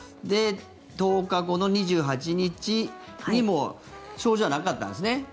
で、１０日後の２８日にもう症状はなかったんですね。